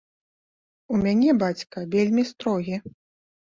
У мяне бацька вельмі строгі.